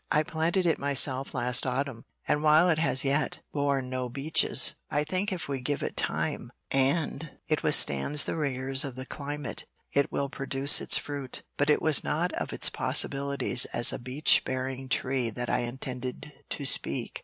"I planted it myself last autumn, and while it has as yet borne no beeches, I think if we give it time, and it withstands the rigors of the climate, it will produce its fruit. But it was not of its possibilities as a beech bearing tree that I intended to speak.